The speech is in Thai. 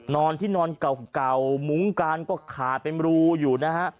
นอนที่นอนเก่ามุ้งการก็ขาดเป็นรูอยู่นะฮะ